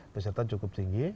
pesertaan cukup tinggi